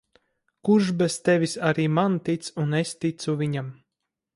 Kurš bez tevis arī man tic un es ticu viņam.